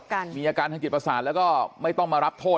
จบกันพี่เรียเขียนหมายถึงกิจประสาทแล้วก็ไม่ต้องมารับโทษ